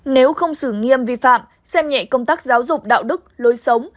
nếu không xử nghiêm vi phạm xem nhẹ công tác giáo dục đạo đức lối sống